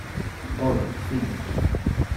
Hola, Phineas.